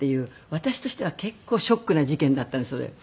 私としては結構ショックな事件だったのそれ。